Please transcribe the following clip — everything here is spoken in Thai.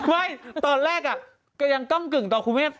ไม่ตอนแรกก็ยังก้ำกึ่งต่อครูเมฆ